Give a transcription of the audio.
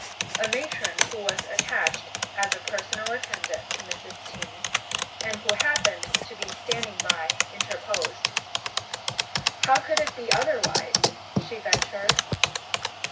A matron, who was attached as a personal attendant (to Mrs. Ch'in,) and who happened to be standing by interposed: "How could it be otherwise?" she ventured.